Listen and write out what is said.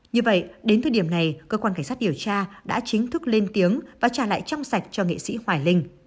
như vậy đến thời điểm này cơ quan cảnh sát điều tra đã chính thức lên tiếng và trả lại trong sạch cho nghệ sĩ hoài linh